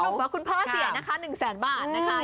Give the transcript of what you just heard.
สรุปว่าคุณพ่อเสียนะคะ๑๐๐๐๐๐บาทนะคะ